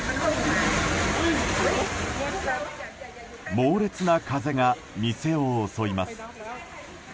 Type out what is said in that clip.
猛烈な風が店を襲います。